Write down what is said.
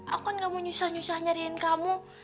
aku kan gak mau nyusah nyusah nyariin kamu